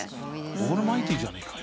オールマイティーじゃねえかよ。